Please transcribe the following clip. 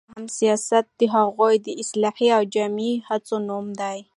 یا هم سياست د هغو اصلاحي او جمعي هڅو نوم دی،